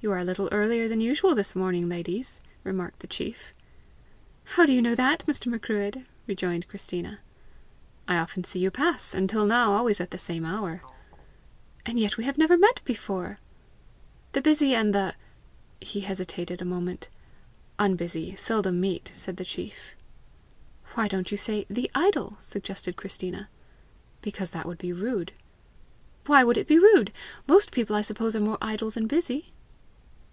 "You are a little earlier than usual this morning, ladies!" remarked the chief. "How do you know that, Mr. Macruadh?" rejoined Christina. "I often see you pass and till now always at the same hour." "And yet we have never met before!" "The busy and the" he hesitated a moment "unbusy seldom meet," said the chief. "Why don't you say the IDLE?" suggested Christina. "Because that would be rude." "Why would it be rude? Most people, suppose, are more idle than busy!"